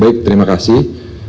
baik terima kasih